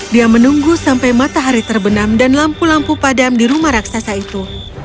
dia menunggu sampai matahari terbenam dan lampu lampu padam di rumah raksasa itu